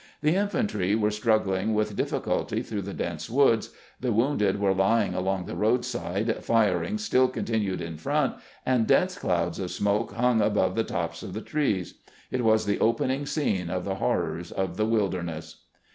The in fantry were struggling with difficulty through the dense woods, the wounded were lying along the roadside, fir ing still continued in front, and dense clouds of smoke hung above the tops of the trees. It was the opening scene of the horrors of the Wilderness.